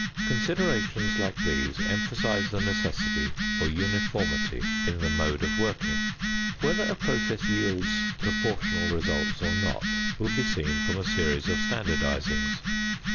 Considerations like these emphasise the necessity for uniformity in the mode of working. Whether a process yields proportional results, or not, will be seen from a series of standardisings.